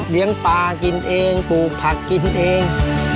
ปลากินเองปลูกผักกินเอง